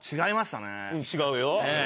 違うよ。